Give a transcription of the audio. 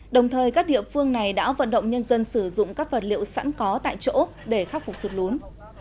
đồng thời các địa phương này đã vận động nhân dân sử dụng các vật liệu sẵn có tại chỗ để khắc phục sụt lún